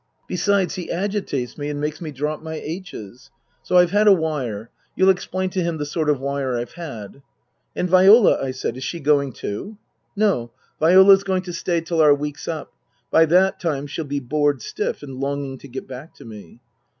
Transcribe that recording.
Besides, he agitates me and makes me drop my aitches. " So I've had a wire. You'll explain to him the sort of wire I've had." " And Viola ?" I said. " Is she going too ?"" No. Viola's going to stay till our week's up. By that time she'll be bored stiff and longing to get back to me."